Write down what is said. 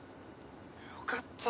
よかった！